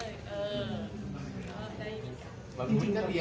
หรือเกลนเกุนห้าด้วย